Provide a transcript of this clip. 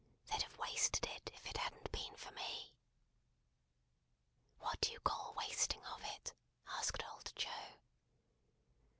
They'd have wasted it, if it hadn't been for me." "What do you call wasting of it?" asked old Joe.